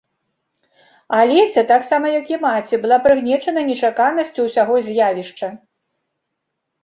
Алеся, таксама як і маці, была прыгнечана нечаканасцю ўсяго з'явішча.